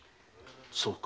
そうか。